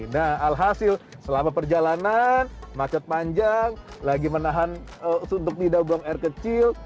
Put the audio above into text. nah alhasil selama perjalanan macet panjang lagi menahan suntuk tidak buang air kecil